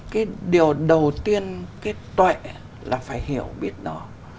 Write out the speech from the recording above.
cái điều đầu tiên cái tuệ là phải hiểu biết nó